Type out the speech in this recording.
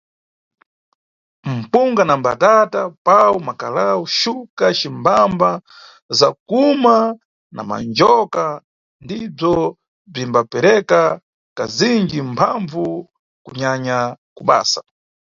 Mpunga, na mbatata, pau, makalau, xuka cimbamba zakuwuma na manjoka ndibzo bzimbapereka kazinji mphambvu kunyanya ku basa.